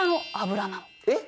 えっ！